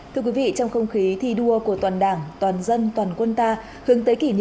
thưa quý vị trong không khí thi đua của toàn đảng toàn dân toàn quân ta hướng tới kỷ niệm